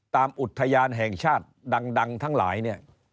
อุทยานแห่งชาติดังทั้งหลายเนี่ย